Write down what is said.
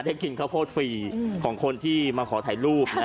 กินข้าวโพดฟรีของคนที่มาขอถ่ายรูป